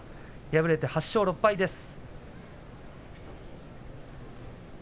敗れて８勝６敗です。